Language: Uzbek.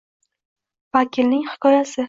Vakilning hikoyasi: